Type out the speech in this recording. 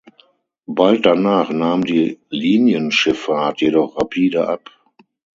Bald danach nahm die Linienschifffahrt jedoch rapide ab.